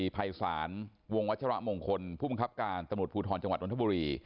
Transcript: ภัยศาลวงวัชระมงคลผู้บังคับการตำรวจภูทรจังหวัดนทบุรี